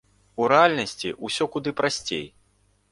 У рэальнасці ўсё куды прасцей.